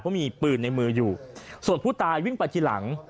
เพราะมีปืนในมืออยู่ส่วนผู้ตายวิ่งไปทีหลัง